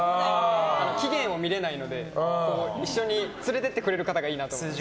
期限を見れないので一緒に連れて行ってくれる方がいいなと思います。